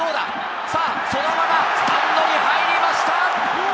そのままスタンドに入りました！